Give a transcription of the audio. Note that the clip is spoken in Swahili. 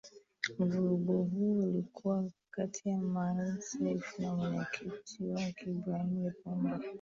Mvurugo huo ulikuwa kati ya Maalim Seif na mwenyekiti wake Ibrahim Lipumba